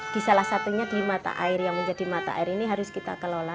di salah satunya di mata air yang menjadi mata air ini harus kita kelola